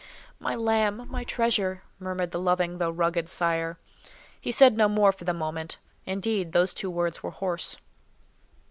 "My lamb! my treasure!" murmured the loving though rugged sire. He said no more for the moment; indeed, those two words were hoarse.